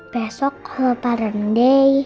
besok kalau parents day